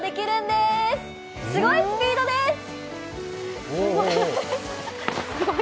すごいスピードです。